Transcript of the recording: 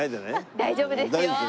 大丈夫ですよ。